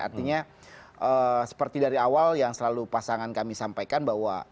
artinya seperti dari awal yang selalu pasangan kami sampaikan bahwa